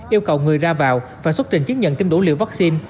yêu cầu người ra vào và xuất trình chứng nhận tính đủ liệu vaccine